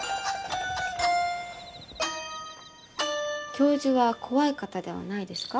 教授は怖い方ではないですか？